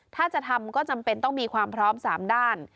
ถ้าจะทำก็จำเป็นต้องมีความพร้อม๓ด้าน